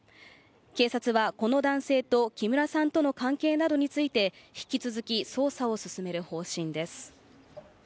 警察はこの男性と木村さんとの関係などについて、引き続き捜査を進める方針です。